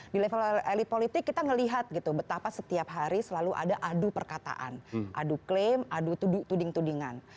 di level elit politik kita melihat gitu betapa setiap hari selalu ada adu perkataan adu klaim adu tuding tudingan